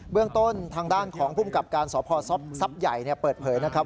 เรื่องต้นทางด้านของภูมิกับการสพทรัพย์ใหญ่เปิดเผยนะครับ